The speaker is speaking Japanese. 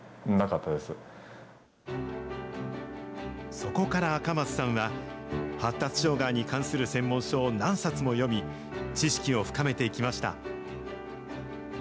そこから赤松さんは、発達障害に関する専門書を何冊も読み、知識を深めていきました。